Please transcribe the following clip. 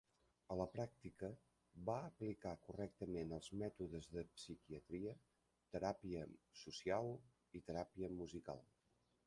A la pràctica, va aplicar correctament els mètodes de psiquiatria, teràpia social i teràpia musical.